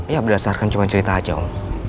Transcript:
ya berdasarkan cuma cerita aja om